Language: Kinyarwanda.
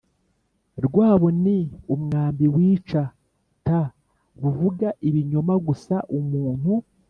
rwabo ni umwambi wica t Ruvuga ibinyoma gusa Umuntu